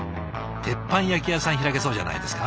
鉄板焼き屋さん開けそうじゃないですか？